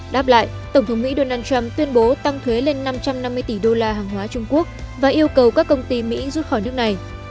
đáp lại tổng thống mỹ donald trump tuyên bố tăng thuế lên năm trăm năm mươi tỷ đô la hàng hóa trung quốc và yêu cầu các công ty mỹ rút khỏi nước này